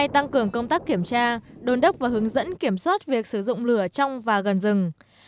tăng cường công tác kiểm tra đồn đốc và hướng dẫn kiểm soát việc sử dụng lửa trong và gần rừng